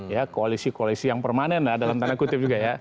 ya koalisi koalisi yang permanen lah dalam tanda kutip juga ya